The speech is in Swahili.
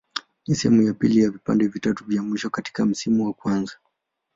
Ni sehemu ya pili ya vipande vitatu vya mwisho katika msimu wa kwanza.